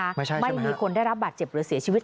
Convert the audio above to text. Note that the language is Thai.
ไม่ใช่ใช่ไหมครับไม่มีคนได้รับบาดเจ็บหรือเสียชีวิต